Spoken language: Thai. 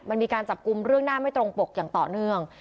มันมีการจับกลุ่มเรื่องหน้าไม่ตรงปกอย่างต่อเนื่อง